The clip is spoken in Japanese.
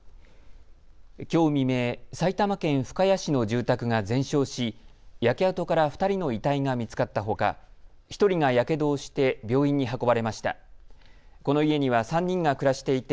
きょう未明、埼玉県深谷市の住宅が全焼し焼け跡から２人の遺体が見つかったほか１人がやけどをして病院に運ばれました。